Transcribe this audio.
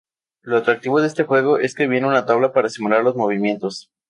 Lo atractivo de este juego es que viene una tabla para simular los movimientos.